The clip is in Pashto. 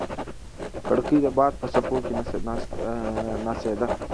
کړکۍ د باد په څپو کې ناڅېده.